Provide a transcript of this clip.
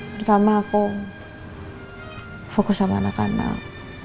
pertama aku fokus sama anak anak